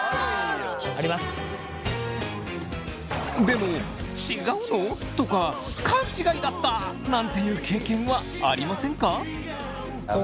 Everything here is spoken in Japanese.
でも「違うの？」とか「勘違いだった！」なんていう経験はありませんか？